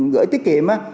gửi tiết kiệm